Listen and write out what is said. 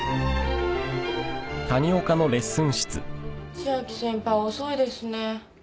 千秋先輩遅いですね。